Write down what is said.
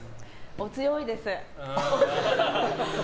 お強いです。